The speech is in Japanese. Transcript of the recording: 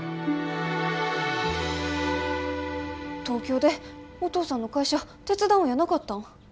東京でお父さんの会社手伝うんやなかったん？